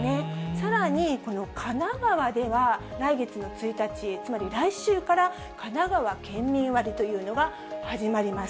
さらにこの神奈川では来月の１日、つまり来週から、かながわ県民割というのが始まります。